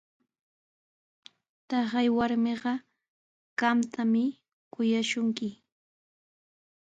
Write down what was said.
Taqay warmiqa qamtami kuyashunki.